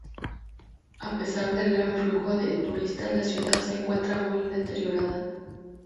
A pesar del gran flujo de turistas, la ciudad se encuentra muy deteriorada.